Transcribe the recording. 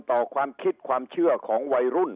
ต่อความคิดความเชื่อของวัยรุ่น